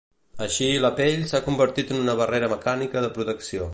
Així la pell s'ha convertit en una barrera mecànica de protecció.